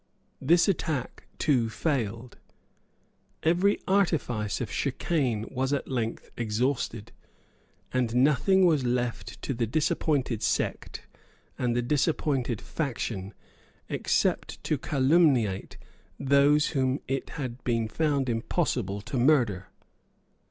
This attack too failed. Every artifice of chicane was at length exhausted; and nothing was left to the disappointed sect and the disappointed faction except to calumniate those whom it had been found impossible to murder.